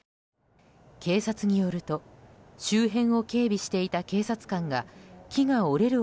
警察によると周辺を警備していた警察官が木が折れる